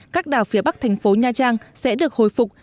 các đảo phía bắc thành phố nha trang sẽ được hồi phục